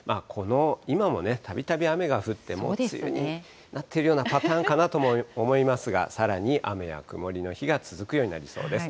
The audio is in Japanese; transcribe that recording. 今もね、たびたび雨が降って、もう梅雨になっているようなパターンかなとも思いますが、さらに雨や曇りの日が続くようになりそうです。